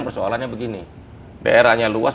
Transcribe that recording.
persoalannya begini daerahnya luas